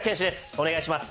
お願いします。